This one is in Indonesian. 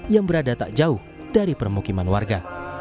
yang berada tak jauh dari permukiman warga